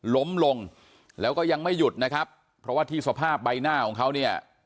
ล้มลงแล้วก็ยังไม่หยุดนะครับเพราะว่าที่สภาพใบหน้าของเขาเนี่ย